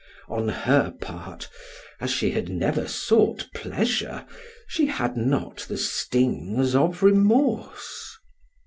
On her part, as she had never sought pleasure, she had not the stings of remorse.